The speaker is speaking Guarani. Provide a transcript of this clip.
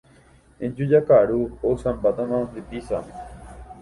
Eju jakaru. Ho’ysãmbáta nde pizza.